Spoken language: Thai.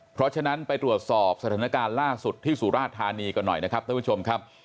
เพราะฉะนั้นไปตรวจสอบสถานการณ์ล่าสุดที่สุราธานีก่อนหน่อยนะครับท่านผู้ชมครับ